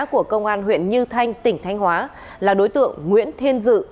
của công an huyện như thanh tỉnh thanh hóa là đối tượng nguyễn thiên dự